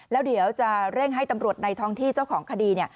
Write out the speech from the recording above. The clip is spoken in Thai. แล้วเดี๋ยวจะเร่งให้ตำรวจในท้องที่เจ้าของคดี